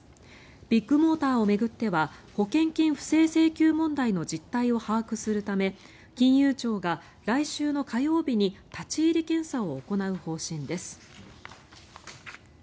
ビッグモーターを巡っては保険金不正請求問題の実態を把握するため金融庁が来週の火曜日に立ち入り検査を行う方針です。